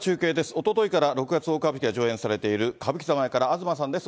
おとといから六月大歌舞伎を上演されている歌舞伎座前から、東さんです。